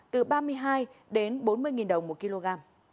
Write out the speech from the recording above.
từ ba mươi hai đến bốn mươi đồng một kg